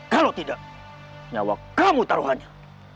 kalau tidak nyawa kamu taruhannya